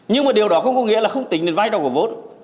nhưng mà điều đó không có nghĩa là không tính đến vai đầu của vốt